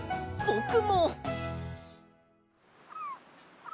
ぼくも！